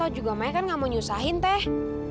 juga maya kan gak mau nyusahin teh